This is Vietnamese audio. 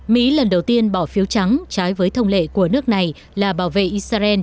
mỹ lần đầu tiên bỏ phiếu trắng trái với thông lệ của nước này là bảo vệ israel